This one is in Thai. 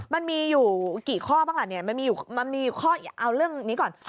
มันมีอยู่กี่ข้อบ้างล่ะเนี่ยมันมีข้อเอาเรื่องนี้ก่อน